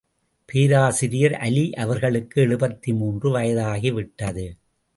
பேராசிரியர் அலி அவர்களுக்கு எழுபத்து மூன்று வயதாகிவிட்டது.